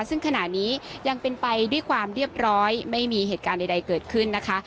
ซึ่งขณะนี้ยังเป็นไปด้วยความเรียบร้อยไม่มีเหตุการณ์ใดเกิดขึ้นนะคะ